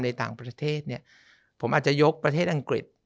ในต่างประเทศเนี่ยผมอาจจะยกประเทศอังกฤษ